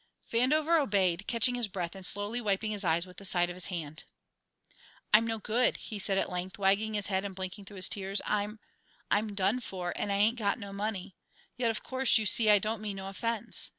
Vandover obeyed, catching his breath and slowly wiping his eyes with the side of his hand. "I'm no good!" he said at length, wagging his head and blinking through his tears. "I'm I'm done for and I ain't got no money; yet, of course, you see I don't mean no offence.